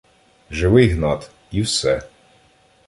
Живий Гнат, і все.